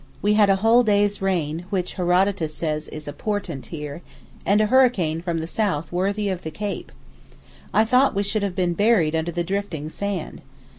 We had a whole day's rain (which Herodotus says is a portent here) and a hurricane from the south worthy of the Cape. I thought we should have been buried under the drifting sand.